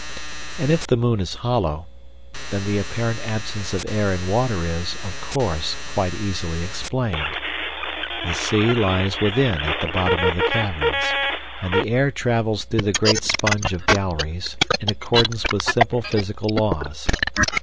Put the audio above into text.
And if the moon is hollow, then the apparent absence of air and water is, of course, quite easily explained. The sea lies within at the bottom of the caverns, and the air travels through the great sponge of galleries, in accordance with simple physical laws.